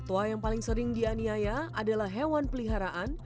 satwa yang paling sering dianiaya adalah hewan peliharaan